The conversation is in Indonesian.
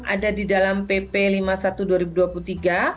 ada di dalam pp lima puluh satu dua ribu dua puluh tiga